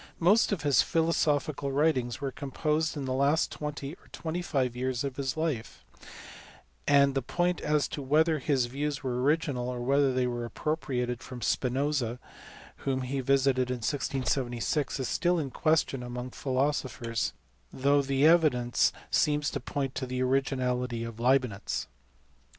Most of his philosophical writings were composed in the last twenty or twenty five years of his life ; and the point as to whether his views were original or whether they were appropriated from Spinoza, whom he visited in 1676, is still in question among philosophers, though the evidence seems to point to the origin ality of Leibnitz.